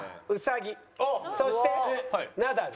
そしてナダル。